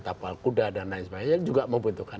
tapal kuda dan lain sebagainya juga membutuhkan